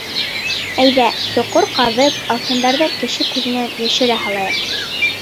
Әйҙә, соҡор ҡаҙып, алтындарҙы кеше күҙенән йәшерә һалайыҡ.